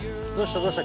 どうした？